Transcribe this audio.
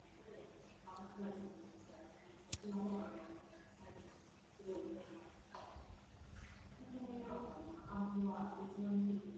Players still active at Test level are in bold type.